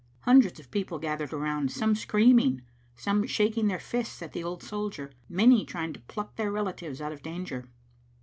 Hundreds of people gathered around, some screaming, some shaking their fists at the old soldier, many trying to pluck their relatives out of danger.